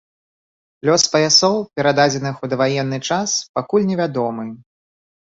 Лёс паясоў, перададзеных у даваенны час, пакуль невядомы.